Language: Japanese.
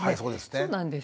そうなんです。